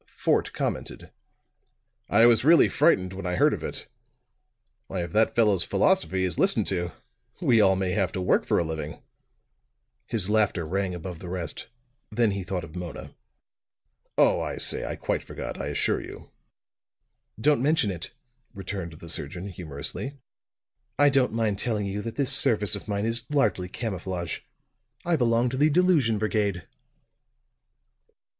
Fort commented: "I was really frightened when I heard of it. Why, if that fellow's philosophy is listened to, we all may have to work for a living!" His laughter rang above the rest; then he thought of Mona. "Oh, I say, I quite forgot, I assure you." "Don't mention it," returned the surgeon humorously. "I don't mind telling you that this service of mine is largely camouflage. I belong to the Delusion Brigade."